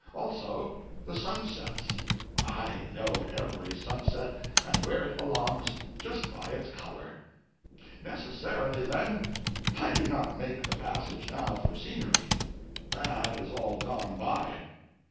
Also the sunsets. I know every sunset and where it belongs just by its color. Necessarily, then, I do not make the passage now for scenery. That is all gone by.